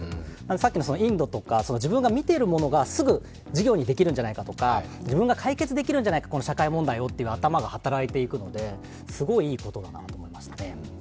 さっきのインドとか、自分が見ているものがすぐ事業にできるんじゃないか自分が解決できるんじゃないか、この社会問題をという頭が働いていくので、すごい、いいことだなと思いましたね。